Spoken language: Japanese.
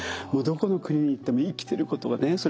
どこの国に行っても生きてることがね